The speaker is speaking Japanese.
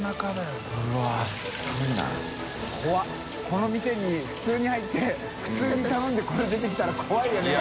櫃この店に普通に入って當未僕蠅鵑これ出てきたら怖いよね。